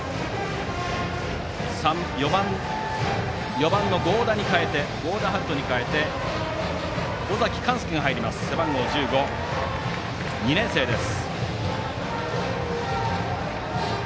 ４番の合田華都に代えて尾崎寛介が入ります、背番号１５２年生です。